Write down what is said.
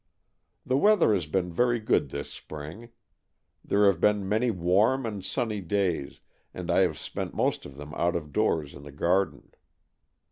The weather has been very good this spring. There have been many warm and sunny days, and I have spent most of them out of doors in the garden.